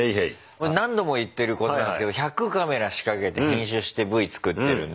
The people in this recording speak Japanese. これ何度も言ってることなんですけど１００カメラ仕掛けて編集してＶ作ってるんで。